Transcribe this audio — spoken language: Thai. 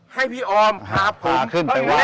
ให้พี่ออมพาผม